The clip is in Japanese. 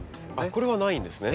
これはないんですね。